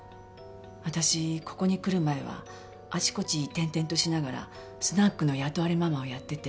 私ここに来る前はあちこち転々としながらスナックの雇われママをやってて。